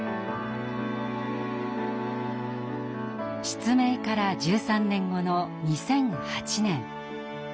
失明から１３年後の２００８年。